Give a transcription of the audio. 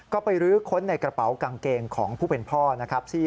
ก็ไปรื้อค้นในกระเป๋ากางเกงของผู้เป็นพ่อนะครับ